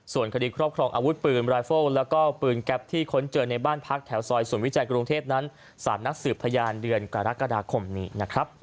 ส่วนคดีครอบครองอาวุธปืนรายเฟิลแล้วก็ปืนแก๊ปที่ค้นเจอในบ้านพักแถวซอยศูนย์วิจัยกรุงเทพนั้นสารนัดสืบพยานเดือนกรกฎาคมนี้นะครับ